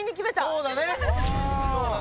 そうだね。